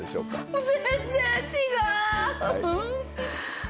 もう全然違う！